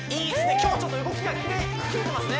今日はちょっと動きが切れてますね